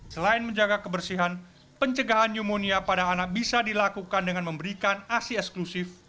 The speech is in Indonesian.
selain menjaga kebersihan pencegahan pneumonia pada anak bisa dilakukan dengan memberikan asi eksklusif